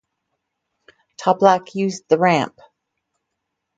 Toplak used the ramp.